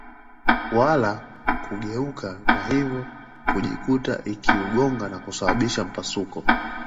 wala kugeuka na hivyo kujikuta ikiugonga na kusababisha mpasuko